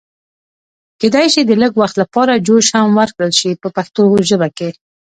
کېدای شي د لږ وخت لپاره جوش هم ورکړل شي په پښتو کې.